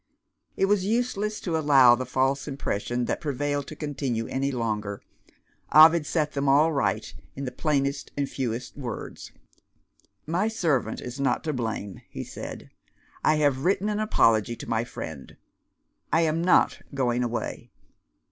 It was useless to allow the false impression that prevailed to continue any longer. Ovid set them all right, in the plainest and fewest words. "My servant is not to blame," he said. "I have written an apology to my friend I am not going away."